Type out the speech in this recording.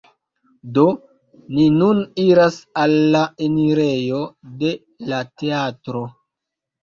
Do, ni nun iras al la enirejo de la teatro